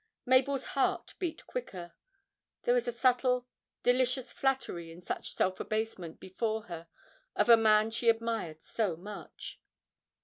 Mabel's heart beat quicker; there was a subtle, delicious flattery in such self abasement before her of a man she admired so much.